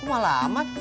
kok malah amat